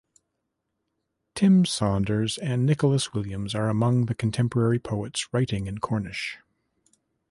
Tim Saunders and Nicholas Williams are among the contemporary poets writing in Cornish.